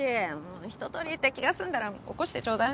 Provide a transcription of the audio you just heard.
ひと通り言って気が済んだら起こしてちょうだい。